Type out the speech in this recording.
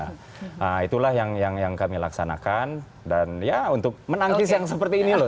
nah itulah yang kami laksanakan dan ya untuk menangkis yang seperti ini loh